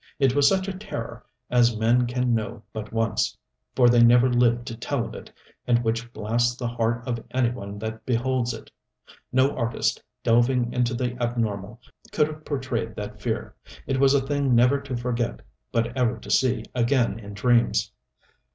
It was such a terror as men can know but once, for they never live to tell of it, and which blasts the heart of any one that beholds it. No artist, delving into the abnormal, could have portrayed that fear. It was a thing never to forget, but ever to see again in dreams.